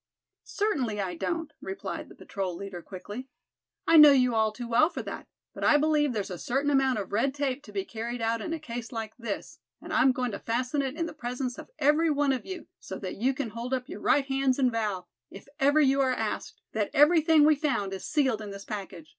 "Certainly I don't," replied the patrol leader, quickly; "I know you all too well for that; but I believe there's a certain amount of red tape to be carried out in a case like this; and I'm going to fasten it in the presence of every one of you, so that you can hold up your right hands and vow, if ever you are asked, that everything we found is sealed in this package.